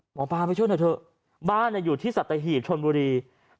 หมอปลาไปช่วยหน่อยเถอะบ้านอยู่ที่สัตหีบชนบุรี